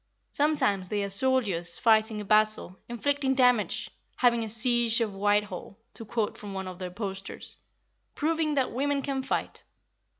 Sometimes they are soldiers, fighting a battle, inflicting damage, having a "siege of Whitehall" (to quote from one of their posters), "proving that women can fight."